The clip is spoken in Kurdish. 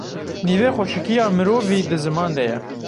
Nîvê xweşikiya mirovî di ziman de ye.